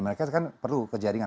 mereka kan perlu ke jaringan